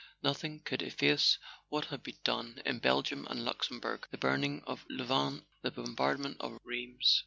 Nothing could efface what had been done in Belgium and Luxembourg, the burn¬ ing of Louvain, the bombardment of Rheims.